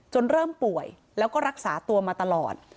เริ่มป่วยแล้วก็รักษาตัวมาตลอด